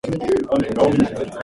繰越商品勘定